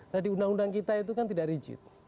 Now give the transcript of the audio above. tadi undang undang kita itu kan tidak rigid